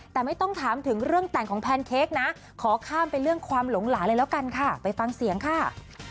แต่ไม่ต้องถามถึงเรื่องแต่งของแพนเค้กนะขอข้ามไปเรื่องความหลงหลาเลยแล้วกันค่ะไปฟังเสียงค่ะ